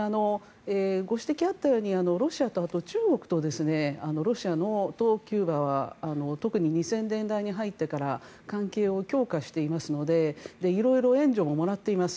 ご指摘があったようにロシアとあと中国とロシアとキューバは特に２０００年代に入ってからは関係を強化していますので色々、援助ももらっています。